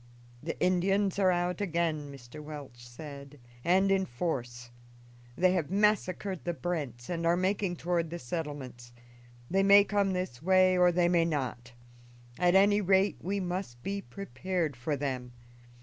"The Indians are out again," Mr. Welch said, "and in force. They have massacred the Brents and are making toward the settlements. They may come this way or they may not; at any rate, we must be prepared for them.